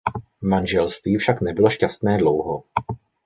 Manželství však nebylo šťastné dlouho.